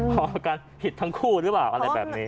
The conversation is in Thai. พอกันผิดทั้งคู่หรือเปล่าอะไรแบบนี้